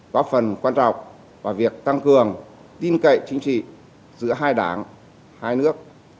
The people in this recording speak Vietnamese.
có phần quan trọng vào việc tăng cường tin cậy chính trị giữa hai đảng hai nước